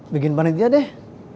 bikin panitia deh